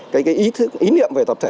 cái ý niệm về tập thể